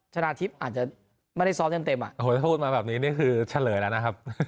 ชนะทิพย์อาจจะไม่ได้ซ้อมเต็มอ่ะโอ้โหพูดมาแบบนี้นี่คือเฉลยแล้วนะครับ